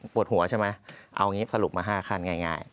ปวดหัวใช่ไหมเอางี้สรุปมา๕ขั้นง่าย